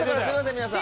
皆さん。